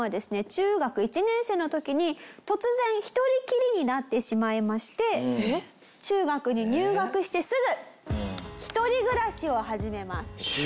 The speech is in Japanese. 中学１年生の時に突然一人きりになってしまいまして中学に入学してすぐ一人暮らしを始めます。